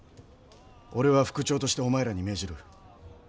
俺は副長としてお前らに命じる。